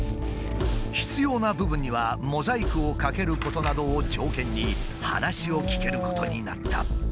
必要な部分にはモザイクをかけることなどを条件に話を聞けることになった。